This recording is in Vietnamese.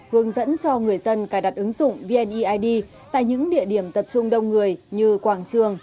hướng dẫn cho người dân cài đặt ứng dụng vneid tại những địa điểm tập trung đông người như quảng trường